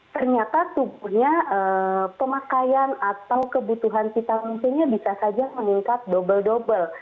ternyata tubuhnya pemakaian atau kebutuhan vitamin c nya bisa saja meningkat double double